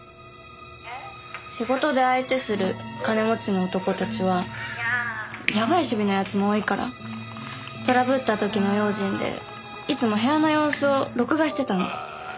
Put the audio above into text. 仕事で相手する金持ちの男たちはやばい趣味の奴も多いからトラブった時の用心でいつも部屋の様子を録画してたの。